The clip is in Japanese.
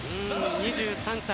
２３歳。